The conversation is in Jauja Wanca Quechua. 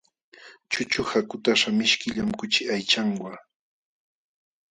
Chuchuqa kutaśhqa mishkillam kuchi aychanwa.